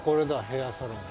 ヘアーサロン。